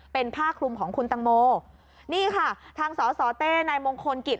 เป็นผ้าคลุมของคุณตังโมนี่ค่ะทางสสเต้นายมงคลกิจ